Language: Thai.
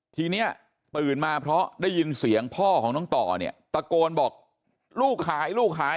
ทีนี้ตื่นมาเพราะได้ยินเสียงพ่อของน้องต่อเนี่ยตะโกนบอกลูกหายลูกหาย